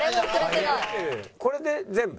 これで全部？